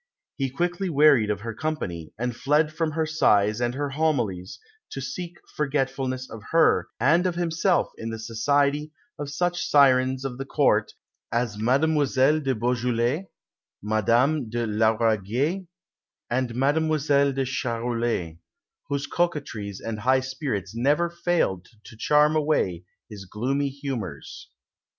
He quickly wearied of her company, and fled from her sighs and her homilies to seek forgetfulness of her and of himself in the society of such sirens of the Court as Mademoiselle de Beaujolais, Madame de Lauraguais, and Mademoiselle de Charolois, whose coquetries and high spirits never failed to charm away his gloomy humours.